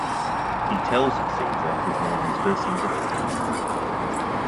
He tells Caesar his name is Vercingetorix.